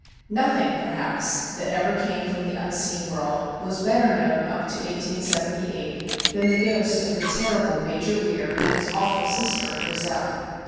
Nothing, perhaps, that ever came from the unseen world was better known up to 1878 than the ghosts of the terrible Major Weir and his awful sister, Grizel.